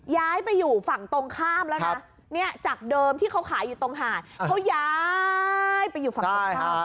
ย้ายไปอยู่ฝั่งตรงข้ามแล้วนะเนี่ยจากเดิมที่เขาขายอยู่ตรงหาดเขาย้ายไปอยู่ฝั่งตรงข้าม